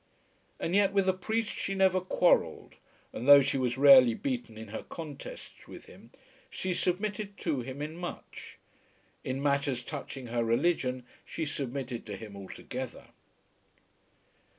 And yet with the priest she never quarrelled; and though she was rarely beaten in her contests with him, she submitted to him in much. In matters touching her religion she submitted to him altogether.